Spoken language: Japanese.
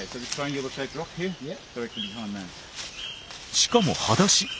しかもはだし。